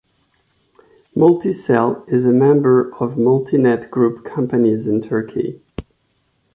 MultiCell is a member of Multinet Group Companies in Turkey.